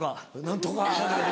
何とか。